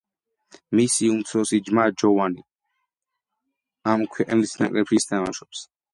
მისი უმცროსი ძმა, ჯოვანი, ამ ქვეყნის ნაკრებშიც თამაშობს.